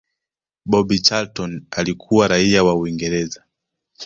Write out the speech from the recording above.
bobby Charlton alikuwa raia wa Uingereza